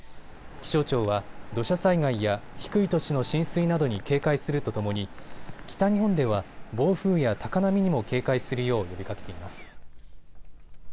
気象庁は土砂災害や低い土地の浸水などに警戒するとともに北日本では暴風や高波にも警戒するよう呼びかけています。